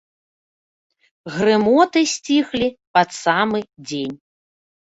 Грымоты сціхлі пад самы дзень.